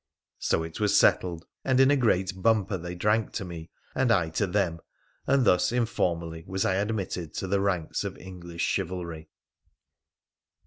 So it was settled, and in a great bumper they drank to me and I to them, and thus informally was I admitted into the ranks of English chivalry.